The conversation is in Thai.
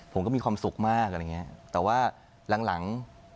ผมก็มีความสุขมากอะไรอย่างเงี้ยแต่ว่าหลังหลัง